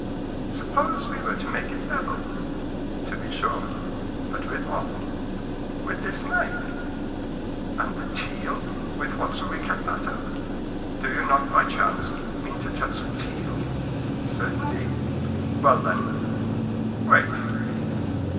"Suppose we were to make it level?" "To be sure; but with what?" "With this knife." "And the teal, with what shall we cut that up? Do you not, by chance, mean to touch the teal?" "Certainly." "Well, then—" "Wait."